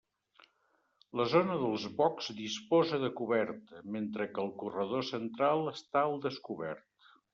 La zona dels boxs disposa de coberta, mentre que el corredor central està al descobert.